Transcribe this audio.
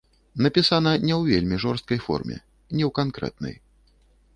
Напісана не ў вельмі жорсткай форме, не ў канкрэтнай.